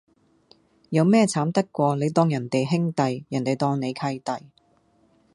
有咩慘得過你當人兄弟,人地當你契弟